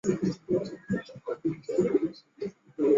七号镇区是位于美国阿肯色州本顿县的一个行政镇区。